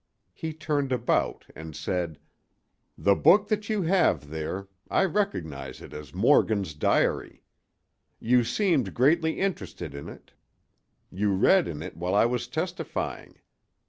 He turned about and said: "The book that you have there—I recognize it as Morgan's diary. You seemed greatly interested in it; you read in it while I was testifying.